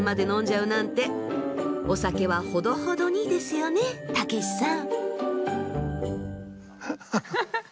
お酒はほどほどにですよねたけしさん？